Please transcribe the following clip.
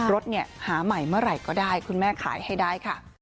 รถหาใหม่เมื่อไหร่ก็ได้คุณแม่ขายให้ได้ค่ะ